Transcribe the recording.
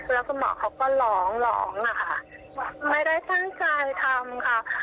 แล้วคุณหมอเขาก็หลองหลองอ่ะค่ะไม่ได้สร้างใจทำค่ะ